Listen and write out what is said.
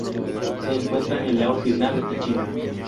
Se encuentra en Laos, Vietnam y China.